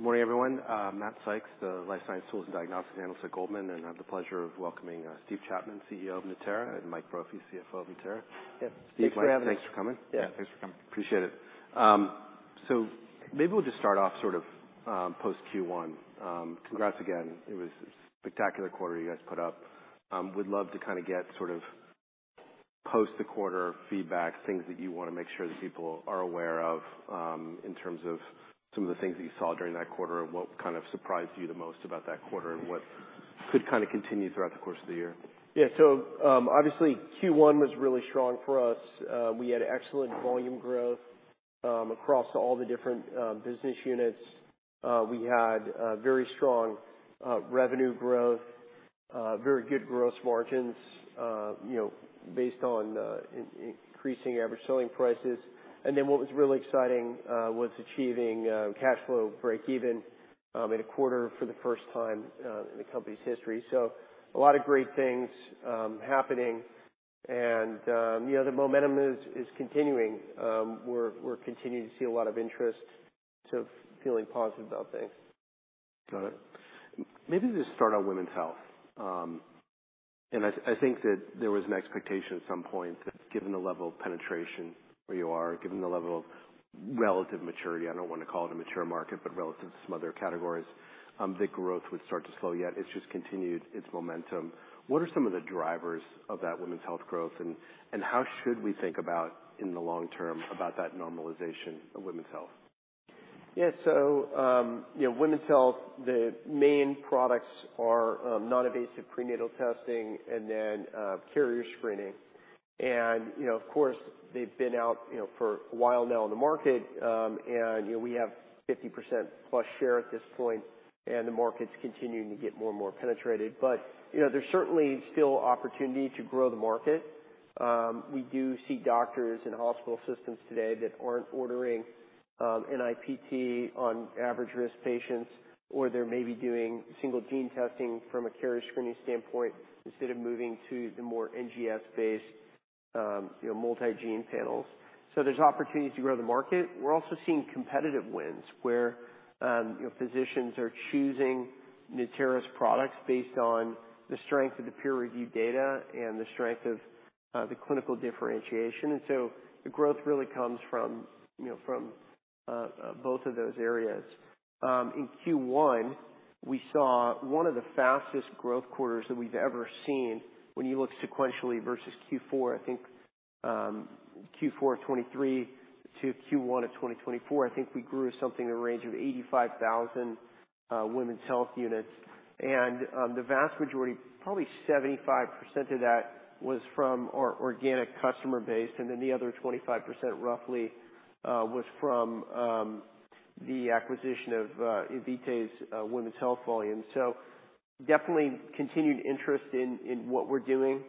Good morning, everyone. Matthew Sykes, the Life Science Tools and Diagnostics Analyst at Goldman, and I have the pleasure of welcoming Steve Chapman, CEO of Natera, and Mike Brophy, CFO of Natera. Yep. Steve, thanks for having me. Thanks for coming. Yeah. Thanks for coming. Appreciate it. So maybe we'll just start off sort of post Q1. Congrats again. It was a spectacular quarter you guys put up. We'd love to kinda get sort of post the quarter feedback, things that you wanna make sure that people are aware of, in terms of some of the things that you saw during that quarter, what kind of surprised you the most about that quarter, and what could kinda continue throughout the course of the year. Yeah. So, obviously, Q1 was really strong for us. We had excellent volume growth across all the different business units. We had very strong revenue growth, very good gross margins, you know, based on increasing average selling prices. And then what was really exciting was achieving cash flow break-even in a quarter for the first time in the company's history. So a lot of great things happening. And, you know, the momentum is continuing. We're continuing to see a lot of interest, so feeling positive about things. Got it. Maybe let's start on women's health. I, I think that there was an expectation at some point that given the level of penetration where you are, given the level of relative maturity - I don't wanna call it a mature market, but relative to some other categories - the growth would start to slow. Yet, it's just continued its momentum. What are some of the drivers of that women's health growth, and, and how should we think about, in the long term, about that normalization of women's health? Yeah. So, you know, women's health, the main products are non-invasive prenatal testing and then carrier screening. And, you know, of course, they've been out, you know, for a while now in the market. And, you know, we have 50%+ share at this point, and the market's continuing to get more and more penetrated. But, you know, there's certainly still opportunity to grow the market. We do see doctors in hospital systems today that aren't ordering NIPT on average risk patients, or they're maybe doing single-gene testing from a carrier screening standpoint instead of moving to the more NGS-based, you know, multi-gene panels. So there's opportunities to grow the market. We're also seeing competitive wins where, you know, physicians are choosing Natera's products based on the strength of the peer-reviewed data and the strength of the clinical differentiation. So the growth really comes from, you know, from both of those areas. In Q1, we saw one of the fastest growth quarters that we've ever seen. When you look sequentially versus Q4, I think, Q4 of 2023 to Q1 of 2024, I think we grew something in the range of 85,000 women's health units. And the vast majority, probably 75% of that, was from our organic customer base, and then the other 25%, roughly, was from the acquisition of Invitae's women's health volume. So definitely continued interest in what we're doing,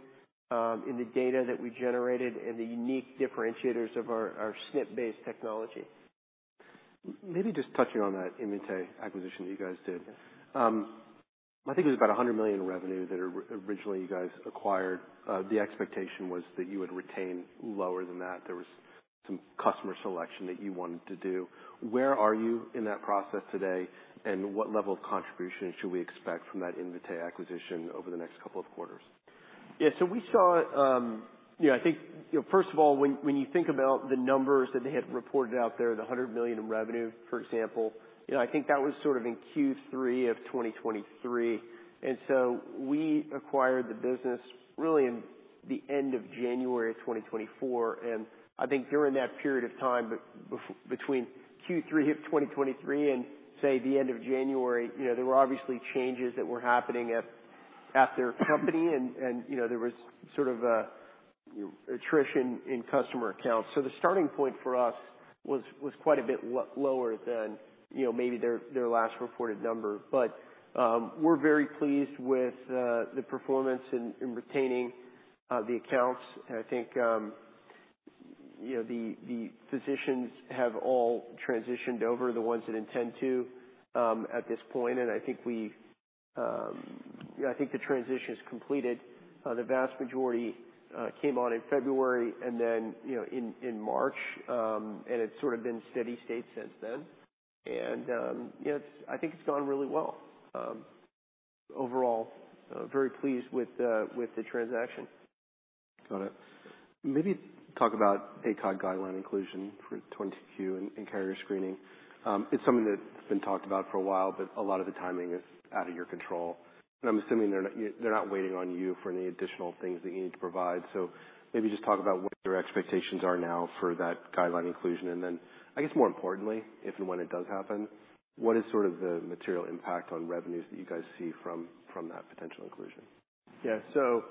in the data that we generated and the unique differentiators of our SNP-based technology. Maybe just touching on that Invitae acquisition that you guys did. I think it was about $100 million in revenue that originally you guys acquired. The expectation was that you would retain lower than that. There was some customer selection that you wanted to do. Where are you in that process today, and what level of contribution should we expect from that Invitae acquisition over the next couple of quarters? Yeah. So we saw, you know, I think, you know, first of all, when you think about the numbers that they had reported out there, the $100 million in revenue, for example, you know, I think that was sort of in Q3 of 2023. And so we acquired the business really in the end of January of 2024. And I think during that period of time, but between Q3 of 2023 and, say, the end of January, you know, there were obviously changes that were happening at their company, and, you know, there was sort of a, you know, attrition in customer accounts. So the starting point for us was quite a bit lower than, you know, maybe their last reported number. But we're very pleased with the performance in retaining the accounts. I think, you know, the physicians have all transitioned over, the ones that intend to, at this point. And I think we, you know, I think the transition is completed. The vast majority came on in February and then, you know, in March. And it's sort of been steady state since then. And, you know, it's, I think, it's gone really well, overall. Very pleased with the transaction. Got it. Maybe talk about ACOG guideline inclusion for 2022 and, and carrier screening. It's something that's been talked about for a while, but a lot of the timing is out of your control. And I'm assuming they're not—they're not waiting on you for any additional things that you need to provide. So maybe just talk about what your expectations are now for that guideline inclusion. And then, I guess, more importantly, if and when it does happen, what is sort of the material impact on revenues that you guys see from, from that potential inclusion? Yeah. So,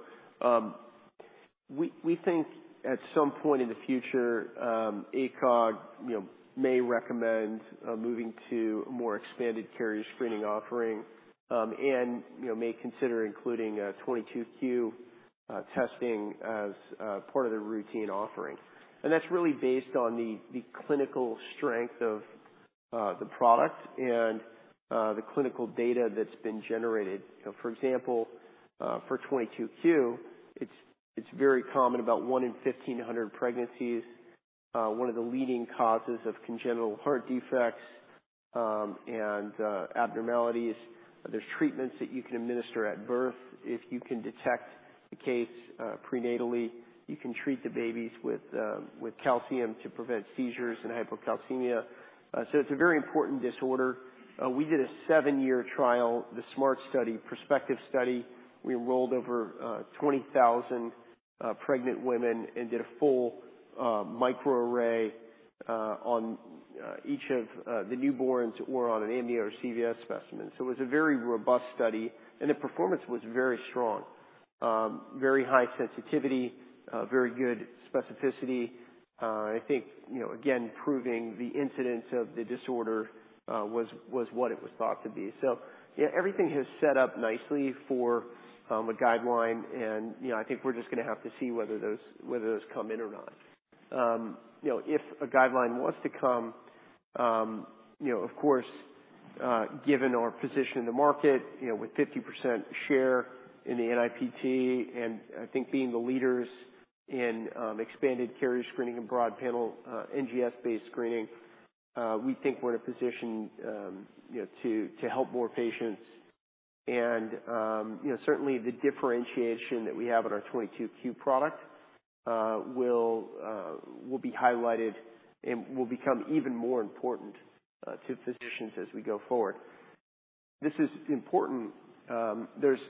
we think at some point in the future, ACOG, you know, may recommend moving to a more expanded carrier screening offering, and, you know, may consider including 22q testing as part of their routine offering. And that's really based on the clinical strength of the product and the clinical data that's been generated. You know, for example, for 22q, it's very common about one in 1,500 pregnancies, one of the leading causes of congenital heart defects, and abnormalities. There's treatments that you can administer at birth. If you can detect the case prenatally, you can treat the babies with calcium to prevent seizures and hypocalcemia. So it's a very important disorder. We did a seven-year trial, the SMART study, prospective study. We enrolled over 20,000 pregnant women and did a full microarray on each of the newborns or on an amnio or CVS specimen. So it was a very robust study, and the performance was very strong, very high sensitivity, very good specificity. I think, you know, again, proving the incidence of the disorder was what it was thought to be. So, you know, everything has set up nicely for a guideline. And, you know, I think we're just gonna have to see whether those come in or not. You know, if a guideline was to come, you know, of course, given our position in the market, you know, with 50% share in the NIPT and, I think, being the leaders in expanded carrier screening and broad panel, NGS-based screening, we think we're in a position, you know, to help more patients. You know, certainly the differentiation that we have in our 22q product will be highlighted and will become even more important to physicians as we go forward. This is important. There's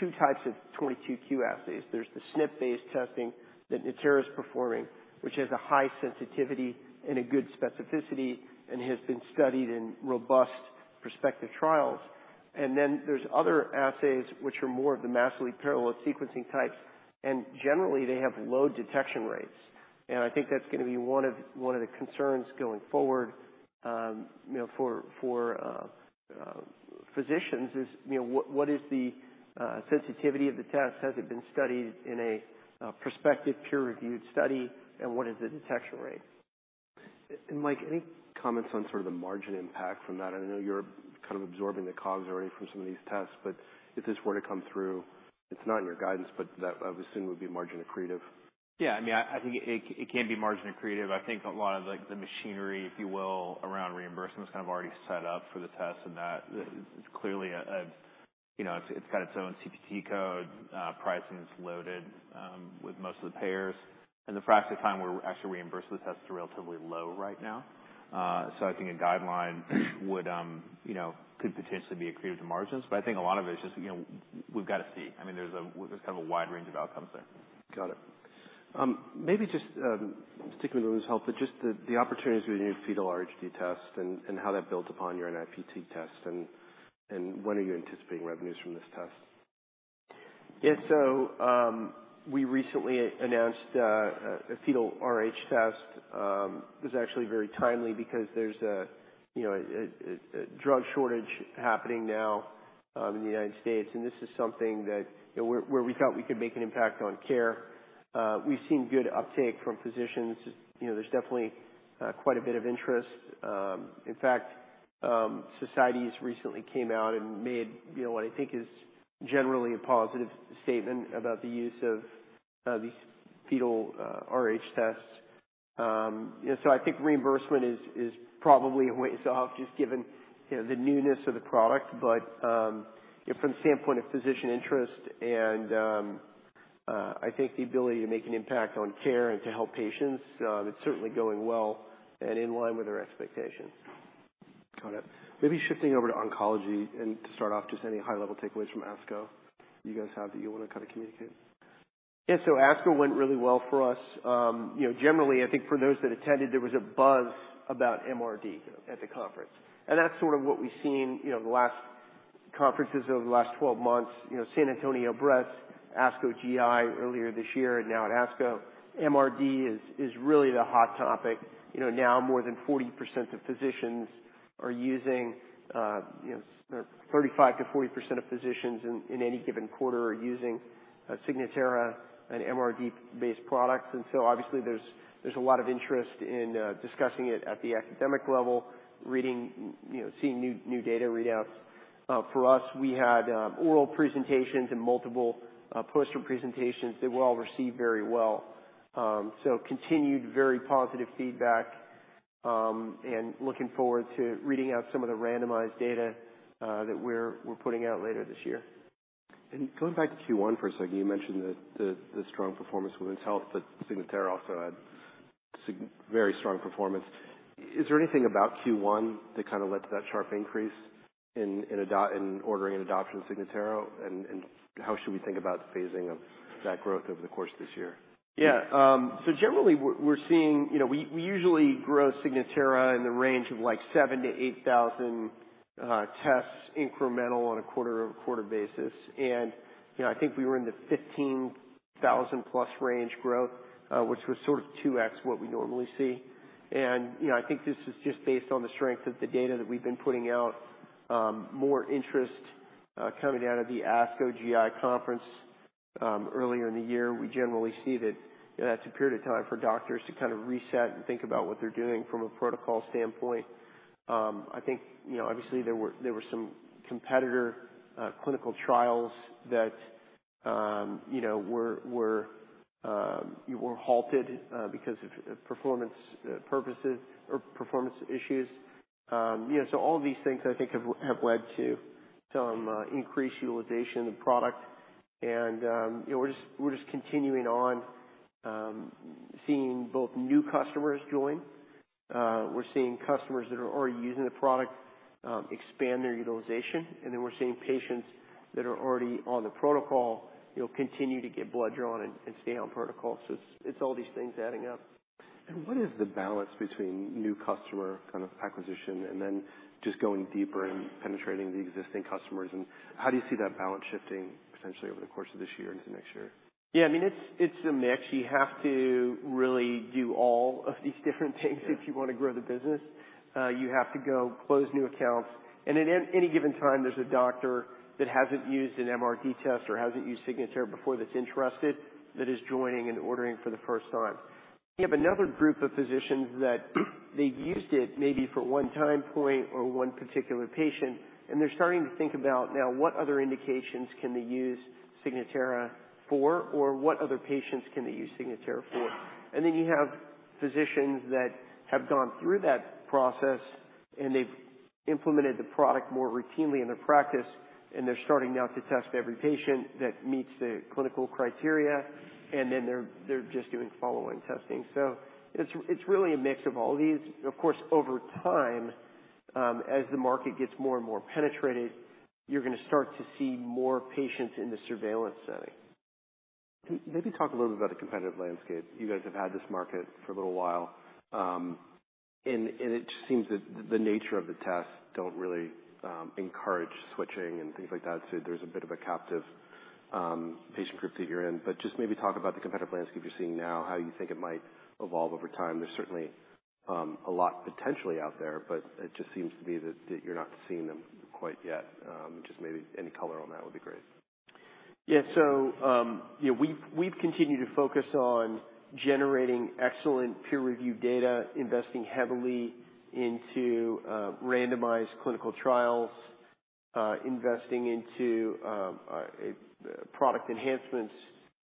two types of 22q assays. There's the SNP-based testing that Natera's performing, which has a high sensitivity and a good specificity and has been studied in robust prospective trials. And then there's other assays, which are more of the massively parallel sequencing types, and generally, they have low detection rates. And I think that's gonna be one of the concerns going forward, you know, for physicians is, you know, what is the sensitivity of the test? Has it been studied in a prospective peer-reviewed study, and what is the detection rate? And Mike, any comments on sort of the margin impact from that? I know you're kind of absorbing the COGS already from some of these tests, but if this were to come through, it's not in your guidance, but that I would assume would be margin accretive. Yeah. I mean, I think it can be margin accretive. I think a lot of, like, the machinery, if you will, around reimbursement's kind of already set up for the tests in that. It's clearly a, you know, it's got its own CPT code. Pricing's loaded with most of the payers. And the fraction of time we're actually reimbursed for the tests is relatively low right now. So I think a guideline would, you know, could potentially be accretive to margins. But I think a lot of it's just, you know, we've gotta see. I mean, there's kind of a wide range of outcomes there. Got it. Maybe just, sticking with women's health, but just the opportunities with the new fetal RhD test and how that builds upon your NIPT test and when are you anticipating revenues from this test? Yeah. So, we recently announced a fetal Rh test. It was actually very timely because there's a, you know, a drug shortage happening now in the United States. And this is something that, you know, where we thought we could make an impact on care. We've seen good uptake from physicians. You know, there's definitely quite a bit of interest. In fact, Society's recently came out and made, you know, what I think is generally a positive statement about the use of these fetal Rh tests. You know, so I think reimbursement is probably a ways off just given, you know, the newness of the product. But, you know, from the standpoint of physician interest and, I think the ability to make an impact on care and to help patients, it's certainly going well and in line with our expectations. Got it. Maybe shifting over to oncology and to start off, just any high-level takeaways from ASCO you guys have that you wanna kinda communicate? Yeah. So ASCO went really well for us. You know, generally, I think for those that attended, there was a buzz about MRD at the conference. And that's sort of what we've seen, you know, the last conferences over the last 12 months. You know, San Antonio Breast, ASCO GI earlier this year, and now at ASCO, MRD is, is really the hot topic. You know, now more than 40% of physicians are using, you know, 35%-40% of physicians in, in any given quarter are using Signatera and MRD-based products. And so obviously, there's, there's a lot of interest in discussing it at the academic level, reading, you know, seeing new, new data readouts. For us, we had oral presentations and multiple poster presentations that were all received very well. Continued very positive feedback, and looking forward to reading out some of the randomized data that we're putting out later this year. Going back to Q1 for a second, you mentioned that the strong performance of women's health, but Signatera also had a very strong performance. Is there anything about Q1 that kinda led to that sharp increase in ordering and adoption of Signatera? And how should we think about phasing of that growth over the course of this year? Yeah. So generally, we're seeing, you know, we usually grow Signatera in the range of, like, 7,000–8,000 tests incremental on a quarter-over-quarter basis. And, you know, I think we were in the 15,000+ range growth, which was sort of 2x what we normally see. And, you know, I think this is just based on the strength of the data that we've been putting out, more interest, coming out of the ASCO GI conference, earlier in the year. We generally see that, you know, that's a period of time for doctors to kind of reset and think about what they're doing from a protocol standpoint. I think, you know, obviously, there were some competitor clinical trials that, you know, were halted, because of performance purposes or performance issues. You know, so all of these things, I think, have led to some increased utilization of the product. And, you know, we're just continuing on, seeing both new customers join. We're seeing customers that are already using the product expand their utilization. And then we're seeing patients that are already on the protocol, you know, continue to get blood drawn and stay on protocol. So it's all these things adding up. What is the balance between new customer kind of acquisition and then just going deeper and penetrating the existing customers? And how do you see that balance shifting potentially over the course of this year into next year? Yeah. I mean, it's, it's a mix. You have to really do all of these different things if you wanna grow the business. You have to go close new accounts. And at any given time, there's a doctor that hasn't used an MRD test or hasn't used Signatera before that's interested, that is joining and ordering for the first time. You have another group of physicians that they've used it maybe for one time point or one particular patient, and they're starting to think about now, what other indications can they use Signatera for, or what other patients can they use Signatera for? And then you have physicians that have gone through that process, and they've implemented the product more routinely in their practice, and they're starting now to test every patient that meets the clinical criteria. And then they're, they're just doing follow-on testing. So it's really a mix of all these. Of course, over time, as the market gets more and more penetrated, you're gonna start to see more patients in the surveillance setting. Maybe talk a little bit about the competitive landscape. You guys have had this market for a little while, and it just seems that the nature of the tests don't really encourage switching and things like that. So there's a bit of a captive patient group that you're in. But just maybe talk about the competitive landscape you're seeing now, how you think it might evolve over time. There's certainly a lot potentially out there, but it just seems to be that you're not seeing them quite yet. Just maybe any color on that would be great. Yeah. So, you know, we've, we've continued to focus on generating excellent peer-reviewed data, investing heavily into randomized clinical trials, investing into product enhancements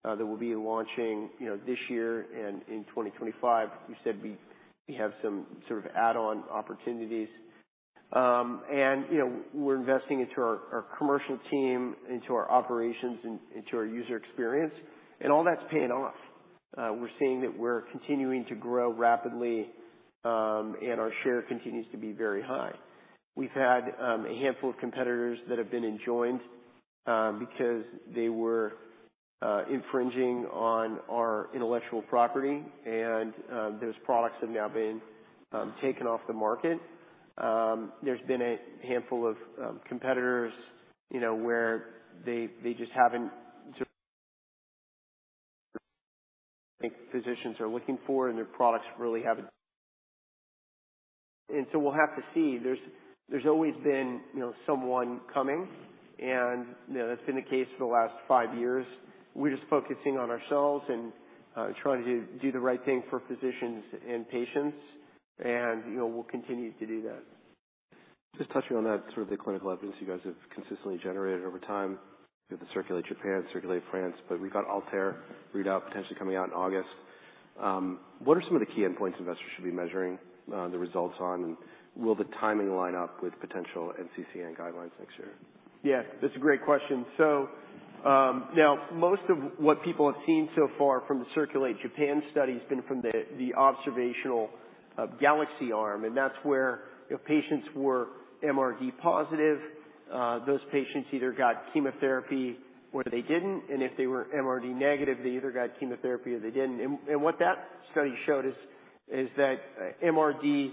that we'll be launching, you know, this year and in 2025. You said we, we have some sort of add-on opportunities. And, you know, we're investing into our, our commercial team, into our operations, and into our user experience. And all that's paying off. We're seeing that we're continuing to grow rapidly, and our share continues to be very high. We've had a handful of competitors that have been enjoined because they were infringing on our intellectual property. And those products have now been taken off the market. There's been a handful of competitors, you know, where they, they just haven't sort of, I think, physicians are looking for, and their products really haven't. And so we'll have to see. There's always been, you know, someone coming. And, you know, that's been the case for the last five years. We're just focusing on ourselves and, trying to do the right thing for physicians and patients. And, you know, we'll continue to do that. Just touching on that, sort of the clinical evidence you guys have consistently generated over time. You have the CIRCULATE-Japan, CIRCULATE-France, but we've got Altera readout potentially coming out in August. What are some of the key endpoints investors should be measuring, the results on? And will the timing line up with potential NCCN guidelines next year? Yeah. That's a great question. So, now, most of what people have seen so far from the CIRCULATE-Japan study has been from the observational GALAXY arm. And that's where, you know, patients were MRD positive. Those patients either got chemotherapy or they didn't. And if they were MRD negative, they either got chemotherapy or they didn't. And what that study showed is that MRD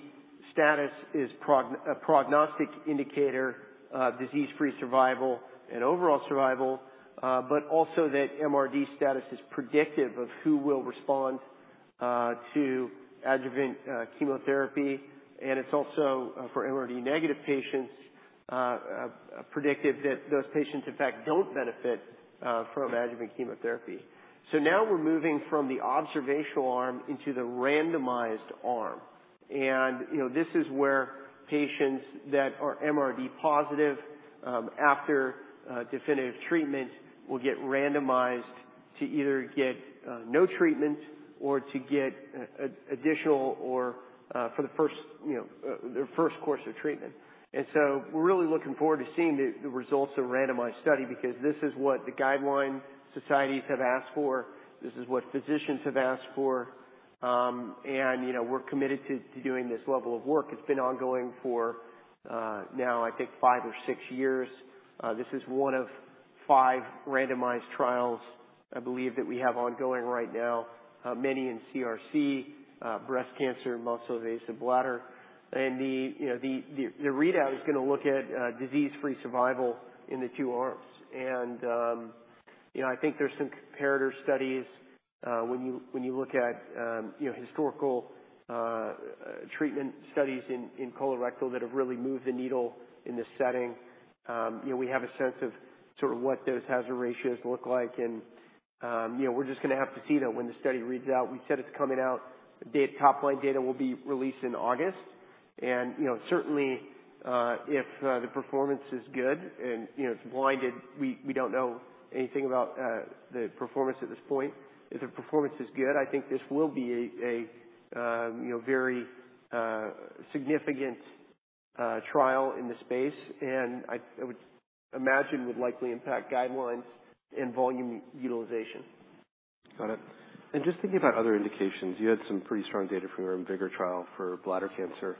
status is a prognostic indicator of disease-free survival and overall survival, but also that MRD status is predictive of who will respond to adjuvant chemotherapy. And it's also, for MRD negative patients, predictive that those patients, in fact, don't benefit from adjuvant chemotherapy. So now we're moving from the observational arm into the randomized arm. You know, this is where patients that are MRD positive, after definitive treatment, will get randomized to either get no treatment or to get adjuvant, for the first, you know, their first course of treatment. And so we're really looking forward to seeing the results of a randomized study because this is what the guideline societies have asked for. This is what physicians have asked for. And you know, we're committed to doing this level of work. It's been ongoing for now, I think, five or six years. This is one of five randomized trials, I believe, that we have ongoing right now, many in CRC, breast cancer, muscle-invasive bladder. You know, the readout is gonna look at disease-free survival in the two arms. And, you know, I think there's some comparator studies, when you, when you look at, you know, historical, treatment studies in, in colorectal that have really moved the needle in this setting. You know, we have a sense of sort of what those hazard ratios look like. And, you know, we're just gonna have to see that when the study reads out. We said it's coming out. The top line data will be released in August. And, you know, certainly, if, the performance is good and, you know, it's blinded, we, we don't know anything about, the performance at this point. If the performance is good, I think this will be a, a, you know, very, significant, trial in the space. And I, I would imagine would likely impact guidelines and volume utilization. Got it. And just thinking about other indications, you had some pretty strong data from your IMvigor trial for bladder cancer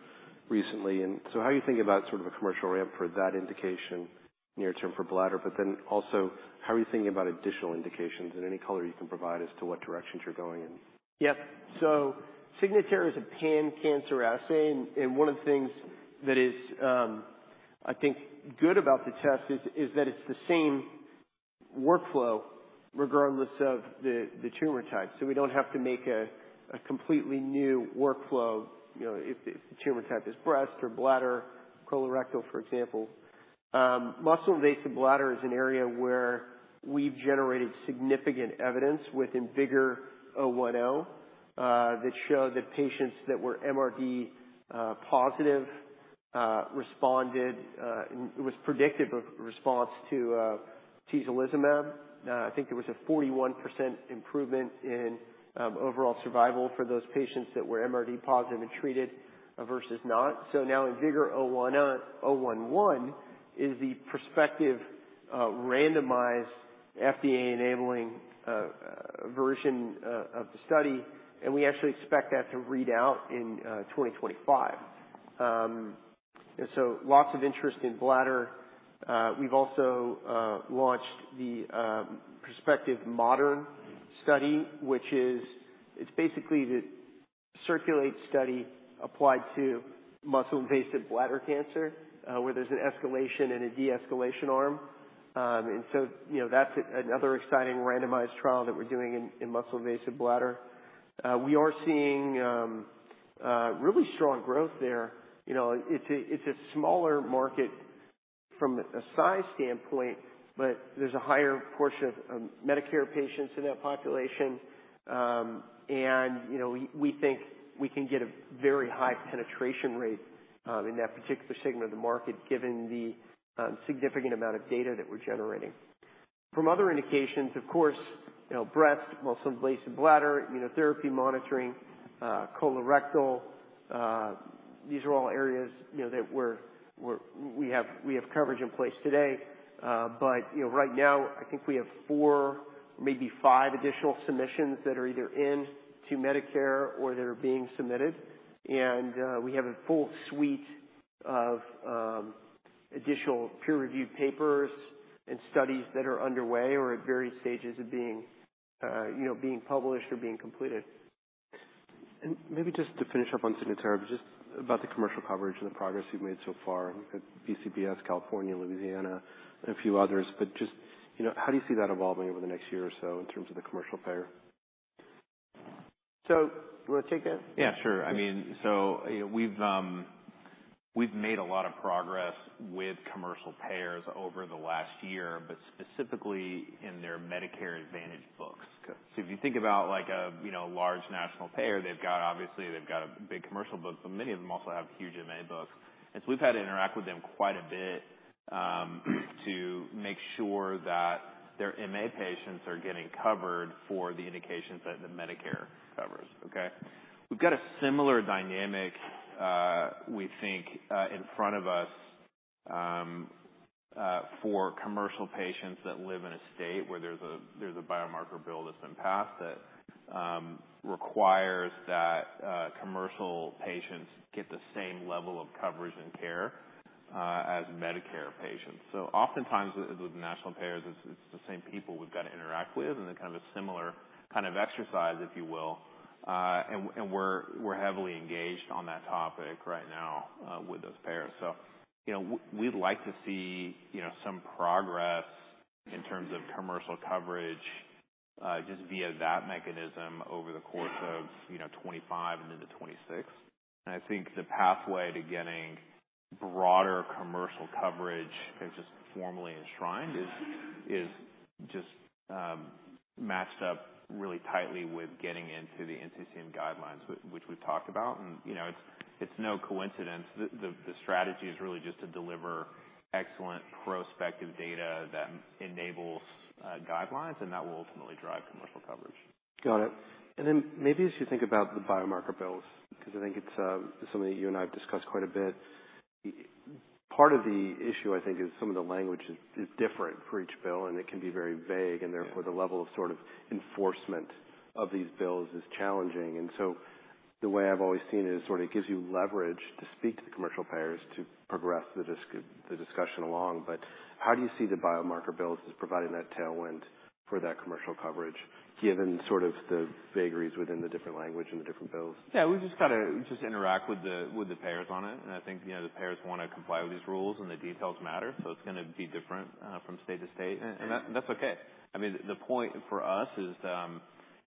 recently. And so how are you thinking about sort of a commercial ramp for that indication near-term for bladder? But then also, how are you thinking about additional indications? And any color you can provide as to what directions you're going in? Yep. So Signatera is a pan-cancer assay. And one of the things that is, I think, good about the test is that it's the same workflow regardless of the tumor type. So we don't have to make a completely new workflow, you know, if the tumor type is breast or bladder, colorectal, for example. Muscle-invasive bladder is an area where we've generated significant evidence with IMvigor010, that showed that patients that were MRD positive responded, and it was predictive of response to atezolizumab. I think there was a 41% improvement in overall survival for those patients that were MRD positive and treated versus not. So now IMvigor010, IMvigor011 is the prospective, randomized FDA-enabling version of the study. And we actually expect that to read out in 2025. And so lots of interest in bladder. We've also launched the prospective MODERN study, which is, it's basically the CIRCULATE study applied to muscle-invasive bladder cancer, where there's an escalation and a de-escalation arm. So, you know, that's another exciting randomized trial that we're doing in muscle-invasive bladder. We are seeing really strong growth there. You know, it's a smaller market from a size standpoint, but there's a higher portion of Medicare patients in that population. You know, we think we can get a very high penetration rate in that particular segment of the market given the significant amount of data that we're generating. From other indications, of course, you know, breast, muscle-invasive bladder, immunotherapy monitoring, colorectal, these are all areas, you know, that we have coverage in place today, but you know, right now, I think we have four, maybe five additional submissions that are either in to Medicare or they're being submitted. We have a full suite of additional peer-reviewed papers and studies that are underway or at various stages of being, you know, being published or being completed. Maybe just to finish up on Signatera, just about the commercial coverage and the progress you've made so far at BCBS, California, Louisiana, and a few others. But just, you know, how do you see that evolving over the next year or so in terms of the commercial payer? So you wanna take that? Yeah, sure. I mean, so, you know, we've made a lot of progress with commercial payers over the last year, but specifically in their Medicare Advantage books. Okay. So if you think about, like, you know, large national payer, they've got, obviously, a big commercial book, but many of them also have huge MA books. We've had to interact with them quite a bit, to make sure that their MA patients are getting covered for the indications that the Medicare covers. Okay? We've got a similar dynamic, we think, in front of us, for commercial patients that live in a state where there's a biomarker bill that's been passed that requires that commercial patients get the same level of coverage and care, as Medicare patients. So oftentimes, with national payers, it's the same people we've got to interact with. And they're kind of a similar kind of exercise, if you will. And we're heavily engaged on that topic right now, with those payers. So, you know, we'd like to see, you know, some progress in terms of commercial coverage, just via that mechanism over the course of, you know, 2025 and into 2026. And I think the pathway to getting broader commercial coverage that's just formally enshrined is just matched up really tightly with getting into the NCCN guidelines, which we've talked about. And, you know, it's no coincidence. The strategy is really just to deliver excellent prospective data that enables guidelines, and that will ultimately drive commercial coverage. Got it. And then maybe as you think about the biomarker bills, 'cause I think it's something that you and I have discussed quite a bit, part of the issue, I think, is some of the language is different for each bill, and it can be very vague. And therefore, the level of sort of enforcement of these bills is challenging. And so the way I've always seen it is sort of it gives you leverage to speak to the commercial payers to progress the discussion along. But how do you see the biomarker bills as providing that tailwind for that commercial coverage given sort of the vagaries within the different language and the different bills? Yeah. We've just got to just interact with the, with the payers on it. And I think, you know, the payers want to comply with these rules, and the details matter. So it's gonna be different, from state to state. And that, that's okay. I mean, the point for us is,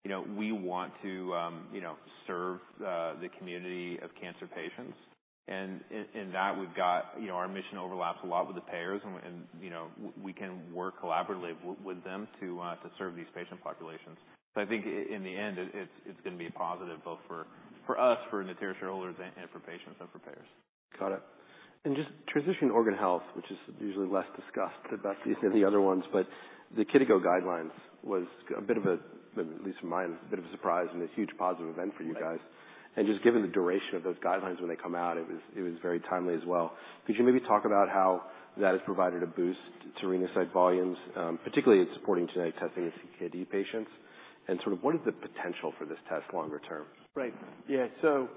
you know, we want to, you know, serve, the community of cancer patients. And in that, we've got, you know, our mission overlaps a lot with the payers. And, you know, we can work collaboratively with them to serve these patient populations. So I think, in the end, it's gonna be a positive both for us, for Natera shareholders, and for patients and for payers. Got it. And just transitioning to organ health, which is usually less discussed about these than the other ones, but the KDIGO guidelines was a bit of a, at least for mine, a bit of a surprise and a huge positive event for you guys. And just given the duration of those guidelines when they come out, it was, it was very timely as well. Could you maybe talk about how that has provided a boost to Renasight volumes, particularly in supporting genetic testing in CKD patients? And sort of what is the potential for this test longer term? Right. Yeah. So,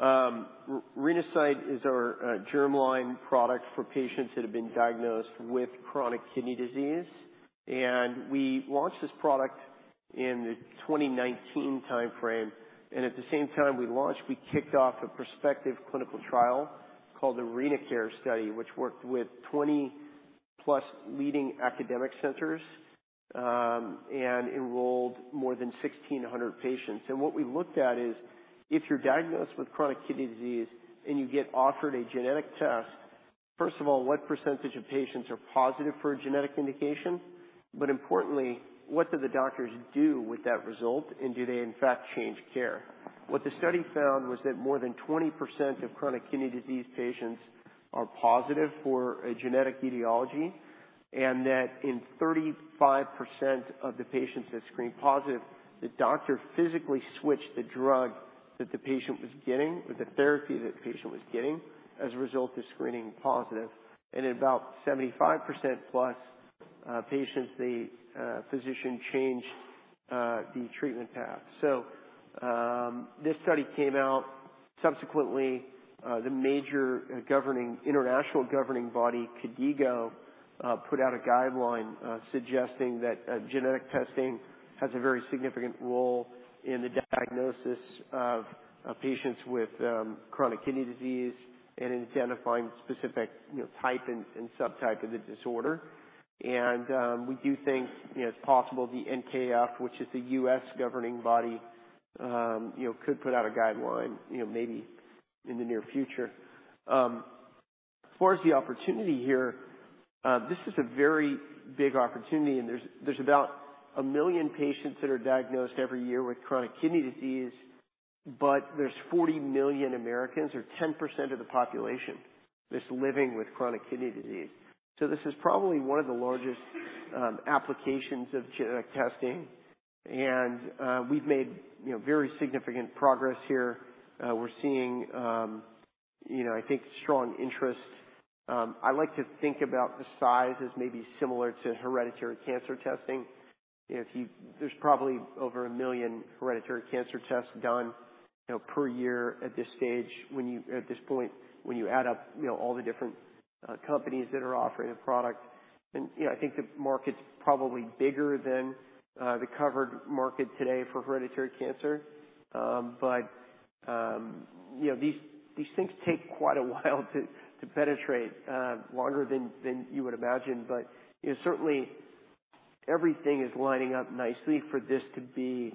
Renasight is our germline product for patients that have been diagnosed with chronic kidney disease. And we launched this product in the 2019 timeframe. And at the same time we launched, we kicked off a prospective clinical trial called the RenaCARE study, which worked with 20+ leading academic centers, and enrolled more than 1,600 patients. And what we looked at is if you're diagnosed with chronic kidney disease and you get offered a genetic test, first of all, what percentage of patients are positive for a genetic indication? But importantly, what do the doctors do with that result? And do they, in fact, change care? What the study found was that more than 20% of chronic kidney disease patients are positive for a genetic etiology. That in 35% of the patients that screened positive, the doctor physically switched the drug that the patient was getting or the therapy that the patient was getting as a result of screening positive. In about 75%+ of patients, the physician changed the treatment path. This study came out. Subsequently, the major governing international governing body, KDIGO, put out a guideline suggesting that genetic testing has a very significant role in the diagnosis of patients with chronic kidney disease and in identifying specific, you know, type and subtype of the disorder. We do think, you know, it's possible the NKF, which is the U.S. governing body, you know, could put out a guideline, you know, maybe in the near future. As far as the opportunity here, this is a very big opportunity. And there's about 2 million patients that are diagnosed every year with chronic kidney disease, but there's 40 million Americans or 10% of the population that's living with chronic kidney disease. So this is probably one of the largest applications of genetic testing. And we've made, you know, very significant progress here. We're seeing, you know, I think, strong interest. I like to think about the size as maybe similar to hereditary cancer testing. You know, if you there's probably over 1 million hereditary cancer tests done, you know, per year at this stage when you, at this point, when you add up, you know, all the different companies that are offering a product. And you know, I think the market's probably bigger than the covered market today for hereditary cancer. But, you know, these things take quite a while to penetrate, longer than you would imagine. But, you know, certainly, everything is lining up nicely for this to be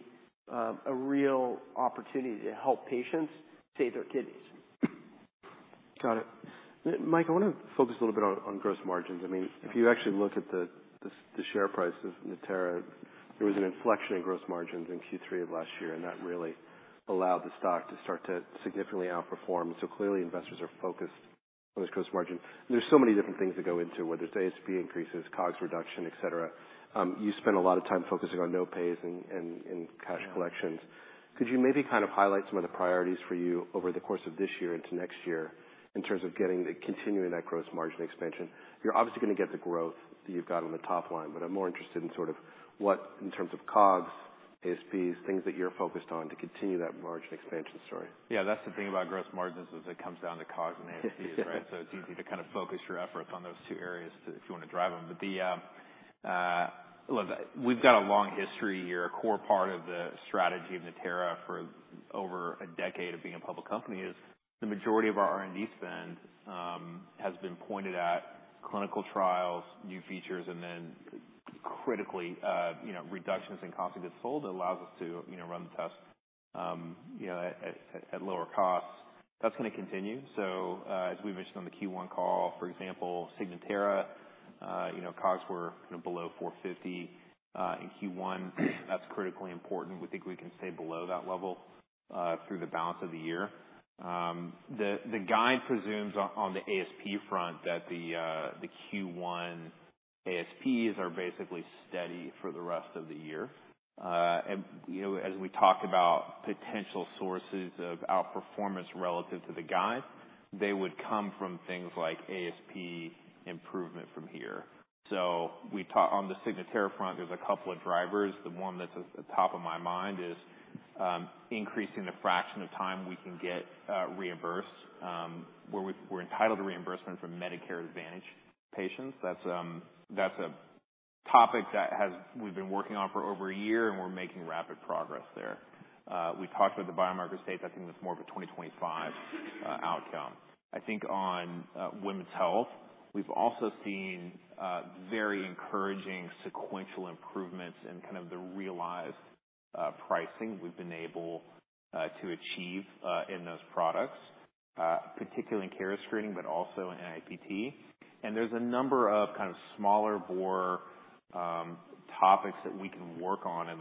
a real opportunity to help patients save their kidneys. Got it. Mike, I wanna focus a little bit on gross margins. I mean, if you actually look at the share price of Natera, there was an inflection in gross margins in Q3 of last year, and that really allowed the stock to start to significantly outperform. And so clearly, investors are focused on this gross margin. And there's so many different things that go into it, whether it's ASP increases, COGS reduction, etc. You spent a lot of time focusing on no-pays and cash collections. Could you maybe kind of highlight some of the priorities for you over the course of this year into next year in terms of getting the continuing that gross margin expansion? You're obviously gonna get the growth that you've got on the top line, but I'm more interested in sort of what in terms of COGS, ASPs, things that you're focused on to continue that margin expansion story. Yeah. That's the thing about gross margins is it comes down to COGS and ASPs, right? So it's easy to kind of focus your efforts on those two areas to if you wanna drive them. But the, look, we've got a long history here. A core part of the strategy of Natera for over a decade of being a public company is the majority of our R&D spend, has been pointed at clinical trials, new features, and then critically, you know, reductions in cost of goods sold that allows us to, you know, run the test, you know, at lower costs. That's gonna continue. So, as we mentioned on the Q1 call, for example, Signatera, you know, COGS were kind of below $450 in Q1. That's critically important. We think we can stay below that level, through the balance of the year. The guide presumes on the ASP front that the Q1 ASPs are basically steady for the rest of the year. And, you know, as we talked about potential sources of outperformance relative to the guide, they would come from things like ASP improvement from here. So we talk on the Signatera front, there's a couple of drivers. The one that's at the top of my mind is increasing the fraction of time we can get reimbursed, where we're entitled to reimbursement from Medicare Advantage patients. That's a topic that we've been working on for over a year, and we're making rapid progress there. We talked about the biomarker states. I think that's more of a 2025 outcome. I think on women's health, we've also seen very encouraging sequential improvements in kind of the realized pricing we've been able to achieve in those products, particularly in carrier screening, but also in NIPT. There's a number of kind of smaller bore topics that we can work on in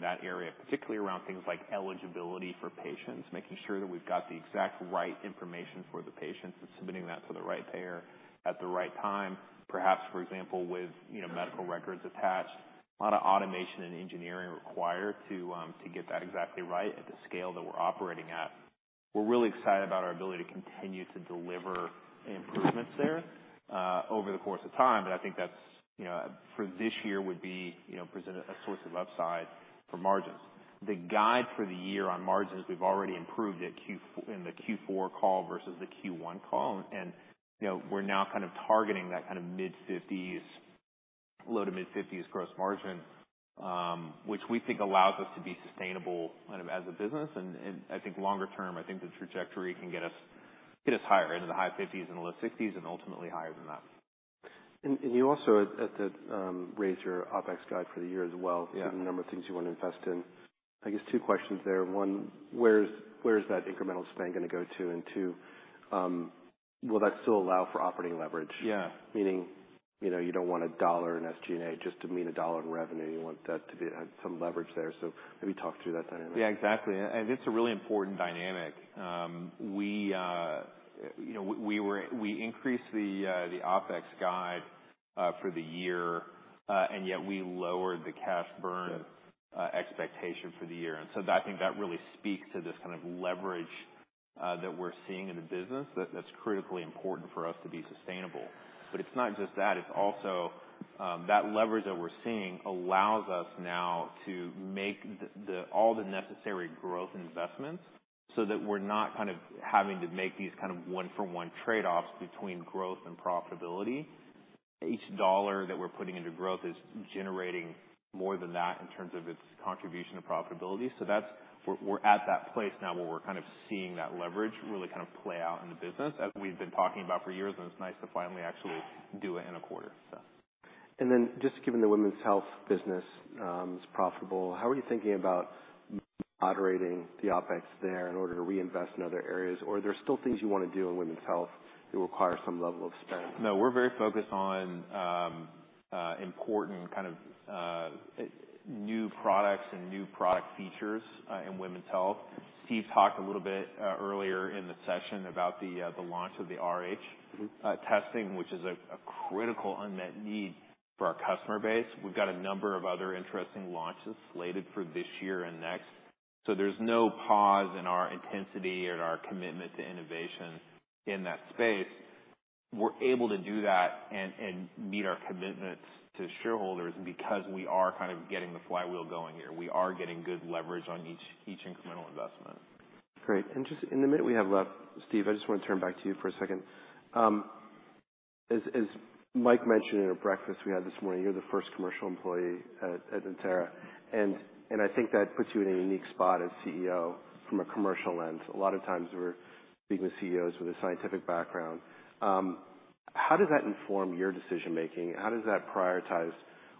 that area, particularly around things like eligibility for patients, making sure that we've got the exact right information for the patients and submitting that to the right payer at the right time, perhaps, for example, with, you know, medical records attached. A lot of automation and engineering required to get that exactly right at the scale that we're operating at. We're really excited about our ability to continue to deliver improvements there, over the course of time. I think that's, you know, for this year would be, you know, present a source of upside for margins. The guide for the year on margins, we've already improved at Q4 in the Q4 call versus the Q1 call. And, you know, we're now kind of targeting that kind of mid-50%s, low- to mid-50%s gross margin, which we think allows us to be sustainable kind of as a business. And I think longer term, I think the trajectory can get us, get us higher into the high 50%s and low 60%s and ultimately higher than that. And you also raised your OpEx guide for the year as well. Yeah. Given the number of things you wanna invest in. I guess two questions there. One, where's that incremental spend gonna go to? And two, will that still allow for operating leverage? Yeah. Meaning, you know, you don't want a dollar in SG&A just to mean a dollar in revenue. You want that to be some leverage there. So maybe talk through that dynamic. Yeah. Exactly. And it's a really important dynamic. You know, we increased the OpEx guide for the year, and yet we lowered the cash burn expectation for the year. And so I think that really speaks to this kind of leverage that we're seeing in the business, that's critically important for us to be sustainable. But it's not just that. It's also that leverage that we're seeing allows us now to make all the necessary growth investments so that we're not kind of having to make these kind of one-for-one trade-offs between growth and profitability. Each dollar that we're putting into growth is generating more than that in terms of its contribution to profitability. So that's where we're at that place now where we're kind of seeing that leverage really kind of play out in the business as we've been talking about for years. And it's nice to finally actually do it in a quarter, so. And then, just given the women's health business is profitable, how are you thinking about moderating the OpEx there in order to reinvest in other areas? Or are there still things you wanna do in women's health that require some level of spend? No. We're very focused on important kind of new products and new product features in women's health. Steve talked a little bit earlier in the session about the launch of the Rh testing, which is a critical unmet need for our customer base. We've got a number of other interesting launches slated for this year and next. So there's no pause in our intensity or our commitment to innovation in that space. We're able to do that and meet our commitments to shareholders because we are kind of getting the flywheel going here. We are getting good leverage on each incremental investment. Great. And just in the minute we have left, Steve, I just wanna turn back to you for a second. As Mike mentioned in a breakfast we had this morning, you're the first commercial employee at Natera. And I think that puts you in a unique spot as CEO from a commercial lens. A lot of times we're speaking with CEOs with a scientific background. How does that inform your decision-making? How does that prioritize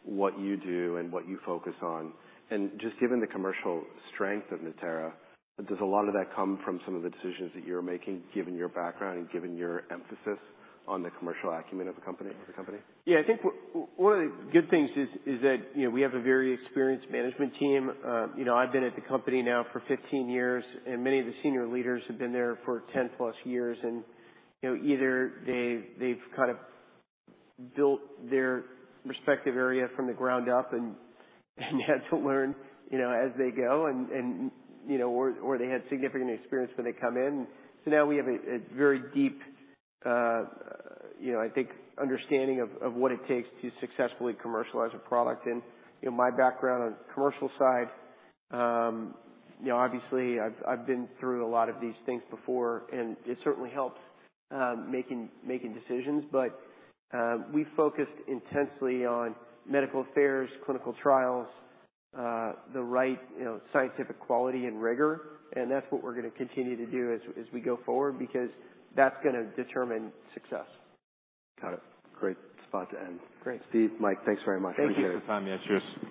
what you do and what you focus on? And just given the commercial strength of Natera, does a lot of that come from some of the decisions that you're making given your background and given your emphasis on the commercial acumen of the company? Yeah. I think what the good things are is that, you know, we have a very experienced management team. You know, I've been at the company now for 15 years, and many of the senior leaders have been there for 10+ years. You know, either they've kind of built their respective area from the ground up and had to learn, you know, as they go. You know, or they had significant experience when they come in. So now we have a very deep, you know, I think, understanding of what it takes to successfully commercialize a product. You know, my background on the commercial side, you know, obviously, I've been through a lot of these things before, and it certainly helps making decisions. We focused intensely on medical affairs, clinical trials, the right, you know, scientific quality and rigor. That's what we're gonna continue to do as we go forward because that's gonna determine success. Got it. Great spot to end. Great. Steve, Mike, thanks very much. Thank you. Appreciate your time. Yeah. Cheers.